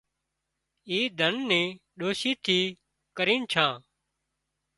اِي ڌنَ ني ڏوشي ٿي ڪرينَ ڇان